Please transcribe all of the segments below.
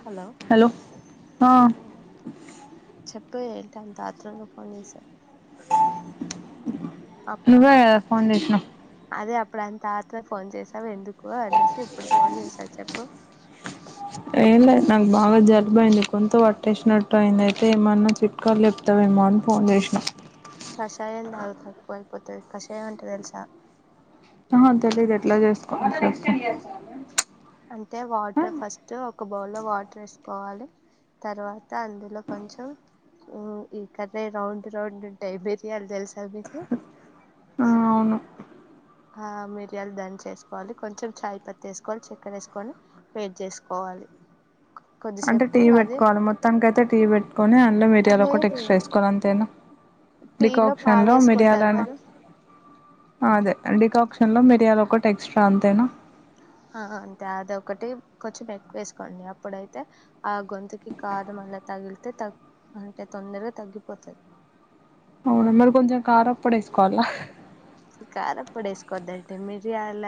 hello ఆ చెప్ ప్పే ఏంటాంతా ఆత్రంగా ఫోన్ చేసావ్ అప్పుడు నువ్వే కాద ఫోన్ చేస్నావ్ ఇప్పుడుంత ఆత్ర ఫోన్ చేసావు ఎందుకు అనేసి ఇప్పుడు ఫోన్ చేసా చెప్పు ఏం లేదు నాకు బాగా జల్బ్బు అయింది గొంతు పట్టేసినట్టు అయింది అయితే ఏమన్నా చిట్కాల్ చెప్తావ్ మన్ ఫోన్ జెస్నా కషాంయ్యం తాగు తక్కువ అయిపోతది కషాయం అంటే తెల్సా ఏమో తెలీయదు ఎట్లా చేసుకోవాలో చెప్పు అంటే వాటర్ ఫస్ట్ ఒక బౌల్లో వాటర్ వేసుకోవాలి తర్వాత అందులో కొంచెం ఉ ఈ కదే రౌండ్ రౌండ్ ఉంటై మీరియాల్ తెల్స అద్ మీకు ఆ అవును ఆ మిరియాలు దన్ చేసుకోవాలి కొంచెం చాయ్ పత్తి వేసుకోవాలి చక్కెన వేసుకొని వేడ్ చేసుకోవాలి రి అంటే టీ పెట్కోవాలి మొత్తానికైతే టీ పెట్టుకొని అల్లం మిరియాలు ఒకట్ టెక్స్ట్ లేదు వేసుకోవాలి అంతేనా టీలో డికక్షన్ లా పాలేసుకుంటాం మిర్యాలని కదా ఆ అదే డికాక్షన్ లో మిరియాలొకటి ఎక్స్ట్రా అంతేనా ఆ అంతే అదొకటి కొంచెం ఎక్కువేసుకోండి అప్పుడైతే ఆ గొంతుకి కారం అలా తగిలితే తగ్ అంటే తొందరగా తగ్గిపోతది అవును మరి కొంచెం కారప్పొడేసుకోవాలా కారప్పొడి ఏసుకోద్దండి మిరియాల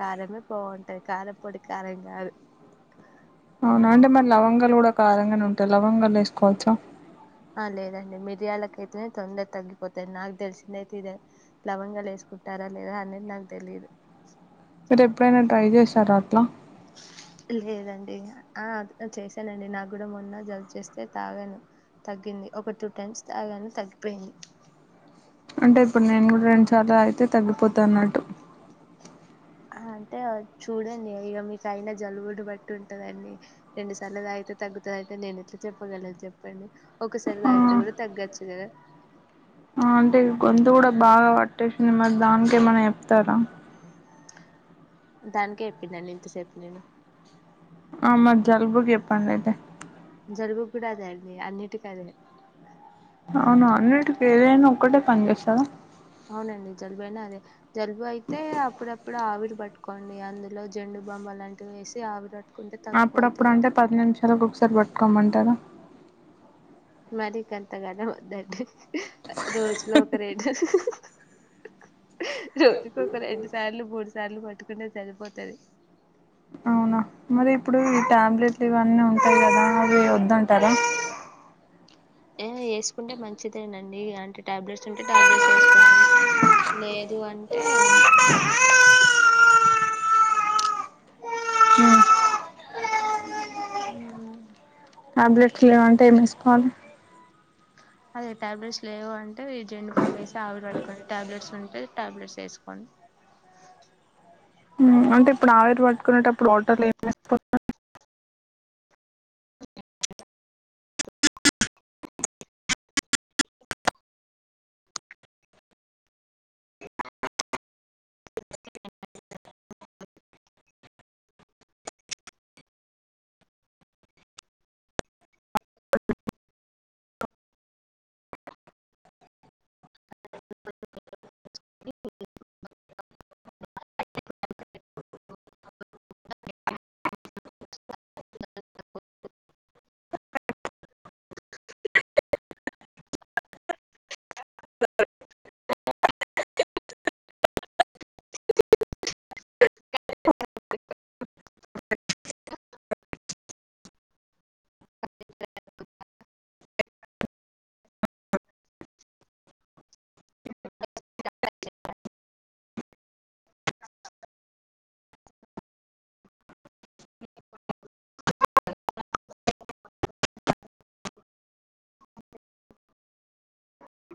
కారమే బావుంటది కారపొడి కారం కా కాదు అవునా అంటే మరి లవంగాలు కూడా కారంగానే ఉంటాయి లవంగాలు ఏసుకోవచ్చా ఆ లేదండి మిరియాలకు అయితేనే తొందర తగ్గిపోతాయి నాకు తెలిసిందైతే ఇదే లవంగాలేసు కంట్టారా లేదా అనేది నాకు తెలీదు మీరు ఎప్పుడైనా ట్రై చేశారా అట్లా లేదండి ఆ చేశానండి నాక్కూడా మొన్న జలుబు చేస్తే తాగాను తగ్గింది ఒక టూ టైమ్స్ తాగాను తగ్గిపోయింది అంటే ఇప్పుడు నేను కూడా రెండు సార్లు తాగితే తగ్గిపోద్దన్నట్టు అంటే చూడండి ఇక మీకయినా జలుబును బట్టి ఉంటదండి రెండు సార్లు తాగితే తగ్గుతదంటే నేనెట్లా చెప్పగలను చెప్పండి ఒకసారి ఆ తాగితే గూడా తగ్గొచ్చు గదా ఆ అంటే గొంతు కూడా బాగా పట్టేసింది మరి దానికే మన్నా చెప్తారా దానికే చెప్పిన్నాను ఇంతసేపు నేను ఆ మధ్యల్ కూడా చెప్పండైతే జరుగు కూడా అదే అండి అన్నిటికదే అవును అన్నిటికి ఏదైనా ఒక్కటే పని చేస్తారా అవునండి జలుబు అయినా అదే జలుబు అయితే అప్పుడప్పుడు ఆవిరి పట్టు కొన్ని అందులో జెండు బామ్ వలాంటివి వేసి ఆవిర అప్పుడప్పుడు అంటే పది నిమిషాలకు ఒకసారి పట్టుకోమంటారా మరికంతగనం వద్దండి రోజులో ఒక రెండు రోజుకొక రెండు సార్లు మూడు సార్లు పట్టుకుంటే సరిపోతది అవునా మరిప్పుడు ఈ టాబ్లెట్లు ఇవన్నీ ఉంటాయి కదా అవి వద్దంటారా ఏ ఏసుకుంటే మంచిదేనండి అంటే టాబ్లెట్స్ ఉంటే టాబ్లెట్స్ వేసుకోండి లేదు అంటే హ్మ్ టాబ్లెట్లు లేవంటే ఏం ఏసుకోవాలి అదే టాబ్లెట్స్ లేవు అంటే జెండు బామ్ వేసి ఆవిరి పట్టుకొండి టాబ్లెట్స్ ఉంటే టాబ్లెట్స్ వేసుకోండి హు అంటే ఇప్పుడు ఆవిరి పట్టుకునేటప్పుడు వాటర్ లో ఏం వేసుకోవాలి [unintelligible] [unintelligible] [unintelligible] [unintelligible] స [unintelligible] [unintelligible] [unintelligible]